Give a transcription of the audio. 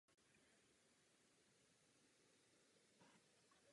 Chtěla bych se omluvit panu Romagnolimu, který řečnil přede mnou.